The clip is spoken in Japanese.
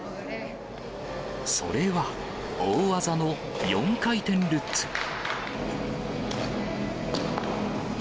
それは、大技の４回転ルッツ。